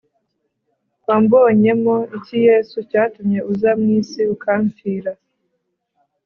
Wambonyemo iki Yesu cyatumye uza mu isi ukampfira